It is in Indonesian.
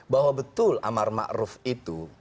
bahwa betul amar ma'ruf itu